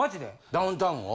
ダウンタウンを？